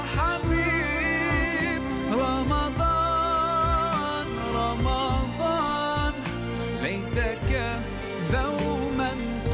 สวัสดีครับทุกคน